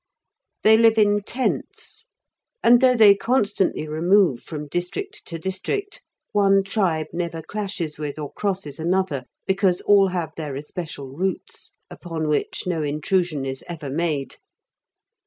They live in tents, and though they constantly remove from district to district, one tribe never clashes with or crosses another, because all have their especial routes, upon which no intrusion is ever made.